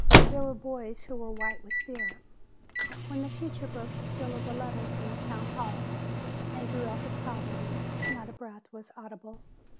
There were boys who were white with fear. When the teacher broke the seal of the letter from the town hall, and drew out the problem, not a breath was audible.